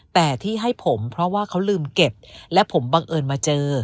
แต่ที่ให้ผมเพราะว่าเขาลืมเก็บและผมบังเอิญมาเจอ